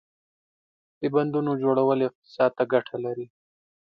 • د بندونو جوړول اقتصاد ته ګټه لري.